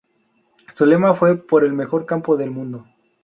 Su lema fue "Por el mejor campo del mundo".